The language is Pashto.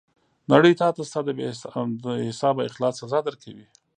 نړۍ تاته ستا د بې حسابه اخلاص سزا درکوي.